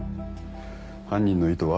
犯人の意図は？